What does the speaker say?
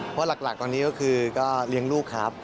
เพราะหลักตอนนี้ก็คือก็เลี้ยงลูกครับ